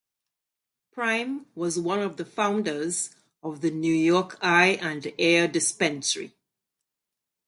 Prime was one of the founders of the New York Eye and Ear Dispensary.